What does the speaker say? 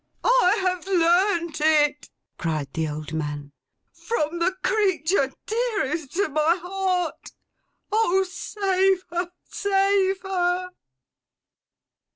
'I have learnt it!' cried the old man. 'From the creature dearest to my heart! O, save her, save her!